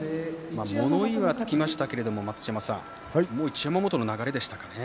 物言いはつきましたけど一山本の流れでしたね。